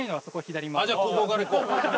じゃあここから行こう。